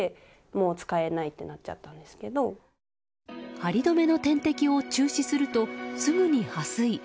張り止めの点滴を中止するとすぐに破水。